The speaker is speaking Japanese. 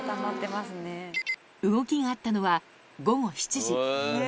動きがあったのは午後７時。